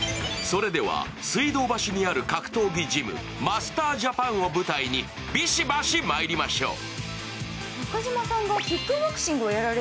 それでは、水道橋にある格闘技ジム・マスタージャパンを舞台にビシバシまいりましょう。